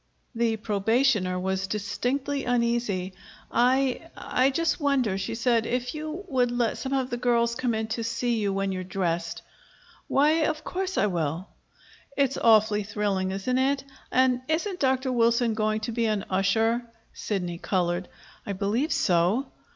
The probationer was distinctly uneasy. "I I just wonder," she said, "if you would let some of the girls come in to see you when you're dressed?" "Why, of course I will." "It's awfully thrilling, isn't it? And isn't Dr. Wilson going to be an usher?" Sidney colored. "I believe so."